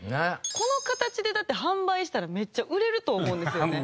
この形でだって販売したらめっちゃ売れると思うんですよね。